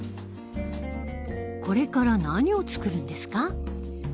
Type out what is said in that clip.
これから何を作るんですか？